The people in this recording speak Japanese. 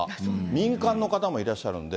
民間の方もいらっしゃるんで。